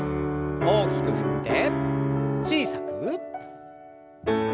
大きく振って小さく。